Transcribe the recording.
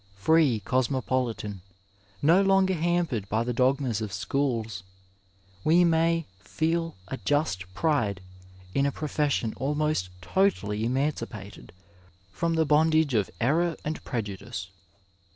Free cosmopolitan, no longer hampered by the dogmas of schools, we may feel a just pride in a profession almost totally emancipated from the bondage of error and prejudice.